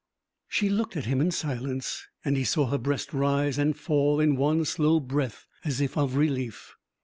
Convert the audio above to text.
"' She looked at him in silence, and he saw her breast rise and fall in one slow breath as if of relief.